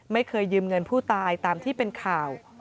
ไม่เคยยืมเงินผู้ตายตามที่เป็นข่าว